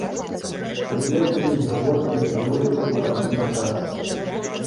Цяпер увесь год іх дояць у адзін час.